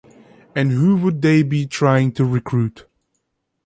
And who would they be trying to recruit?